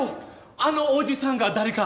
あのおじさんが誰か。